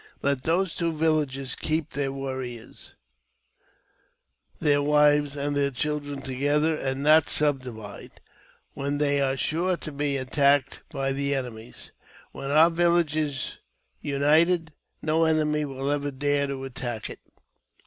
Let those two villages keep their warriors, their wives, and their children together, and not subdivide, when they are sure to be attacked by the enemies. When our village is united, no enemy will ever dare to attack it.